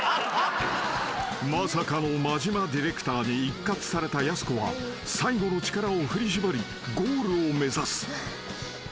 ［まさかの間島ディレクターに一喝されたやす子は最後の力を振り絞りゴールを目指す］